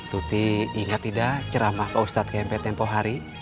tuti inget tidak ceramah pak ustadz kmp tempoh hari